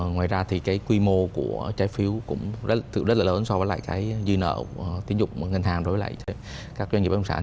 thực ra thì cái quy mô của trái phiếu cũng rất là lớn so với lại cái dư nợ tín dụng ngân hàng đối với lại các doanh nghiệp bất động sản